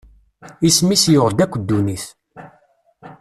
Isem-is yuɣ-d akk ddunit.